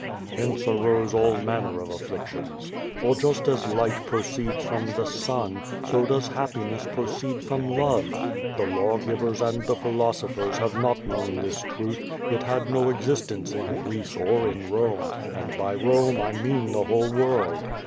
Hence arose all manner of afllic tions. For just as light proceeds from the sun, so does happi nes! proceed from love. The law givers and the philosophers have not known this truth; it had no existence in Greece or in Borne — ^and by Rome I mean the whole world.